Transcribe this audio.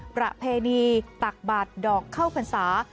ประเพณีตักบาตรดอกเข้าผนศา